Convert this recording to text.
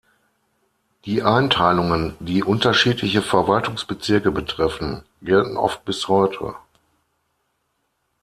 Die Einteilungen, die unterschiedliche Verwaltungsbezirke betreffen, gelten oft bis heute.